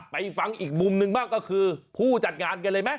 ไปฟังอีกมุมหนึ่งบ้างก็คือผู้จัดงานกันเลยไหม